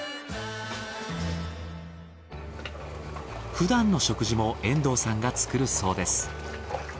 ふだんの食事も遠藤さんが作るそうです。